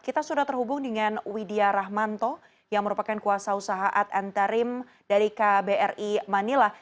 kita sudah terhubung dengan widya rahmanto yang merupakan kuasa usaha ad antarim dari kbri manila